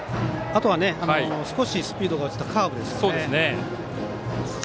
あとは、少しスピードが落ちたカーブですよね。